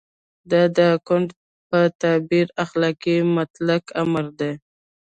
دا د کانټ په تعبیر اخلاقي مطلق امر دی.